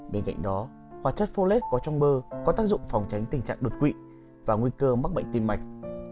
bên cạnh đó hóa chất follet có trong bơ có tác dụng phòng tránh tình trạng đột quỵ và nguy cơ mắc bệnh tim mạch